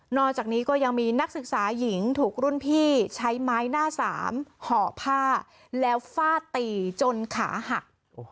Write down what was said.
อกจากนี้ก็ยังมีนักศึกษาหญิงถูกรุ่นพี่ใช้ไม้หน้าสามห่อผ้าแล้วฟาดตีจนขาหัก